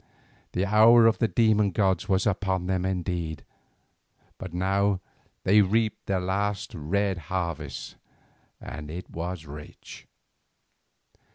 The hour of the demon gods was upon them indeed, but now they reaped their last red harvest, and it was rich.